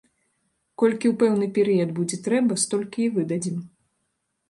Колькі ў пэўны перыяд будзе трэба, столькі і выдадзім.